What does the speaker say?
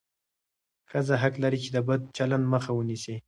ښځه حق لري چې د بد چلند مخه ونیسي.